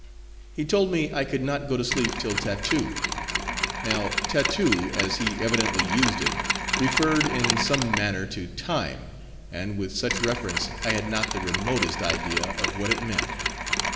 He told me I could not go to sleep till "tattoo." Now tattoo, as he evidently used it, referred in some manner to time, and with such reference I had not the remotest idea of what it meant.